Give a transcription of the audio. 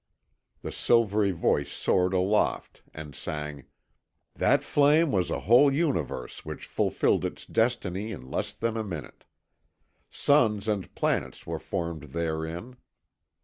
The silvery voice soared aloft and sang: "That flame was a whole universe which fulfilled its destiny in less than a minute. Suns and planets were formed therein.